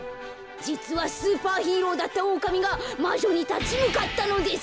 じつはスーパーヒーローだったオオカミがまじょにたちむかったのです。